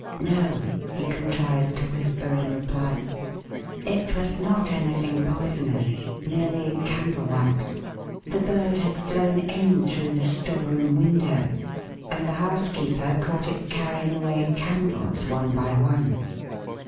"No," he contrived to whisper in reply. "It was not anything poisonous merely candle wax. The bird had flown in through the store room window, and the housekeeper caught it carrying away candles one by one."